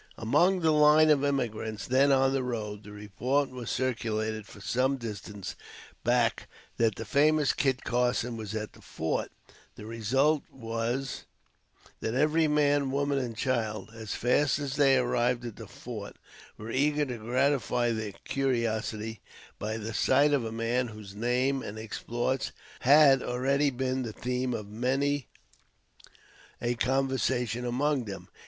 Among the line of emigrants then on the road, the report was circulated for some distance back that the famous Kit Carson was at the fort. The result was that every man, woman and child, as fast as they arrived at the fort, were eager to gratify their curiosity by a sight of the man whose name and exploits had already been the theme of many a conversation among them.